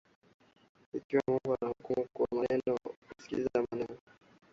Ikiwa Mungu anahukumu kwa kusikiza maneno